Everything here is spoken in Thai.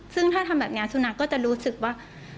ซึ่งถ้าทำแบบนี้สุนัขก็จะรู้สึกว่า